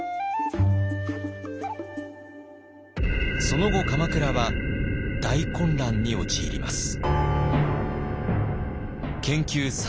その後鎌倉は大混乱に陥ります。